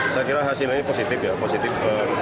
saya kira hasilnya positif ya positif